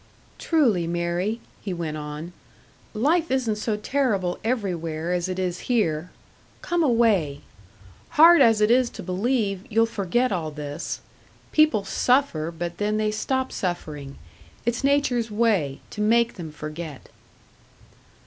"Truly, Mary," he went on. "Life isn't so terrible everywhere as it is here. Come away! Hard as it is to believe, you'll forget all this. People suffer, but then they stop suffering; it's nature's way to make them forget."